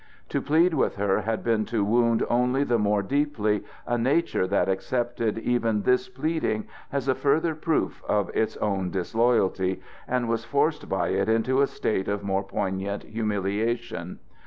To plead with her had been to wound only the more deeply a nature that accepted even this pleading as a further proof of its own disloyalty, and was forced by it into a state of more poignant humiliation.